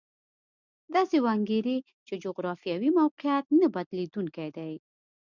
داسې وانګېري چې جغرافیوي موقعیت نه بدلېدونکی دی.